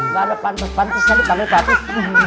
nggak ada pantai pantai saya di panggil batik